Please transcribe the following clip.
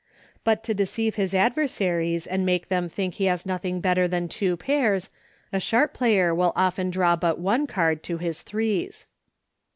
But to deceive his adversaries and make them think he has nothing better than two pairs, a sharp player will often draw but one card to his threes.